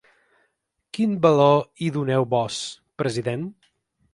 Quin valor hi doneu vós, president?